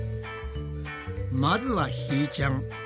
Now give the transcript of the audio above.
まずはひーちゃん。